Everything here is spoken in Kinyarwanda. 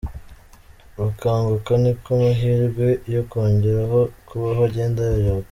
gukanguka niko amahirwe yo kongera kubaho agenda ayoyoka.